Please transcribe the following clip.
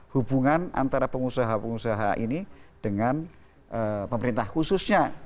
hubungan antara pengusaha pengusaha ini dengan pemerintah khususnya